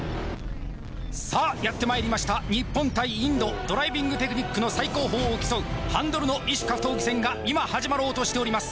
さあやってまいりました日本対インドドライビングテクニックの最高峰を競うハンドルの異種格闘技戦が今始まろうとしております